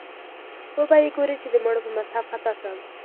وبه یې ګورې چې د مړو په مذهب خطا شم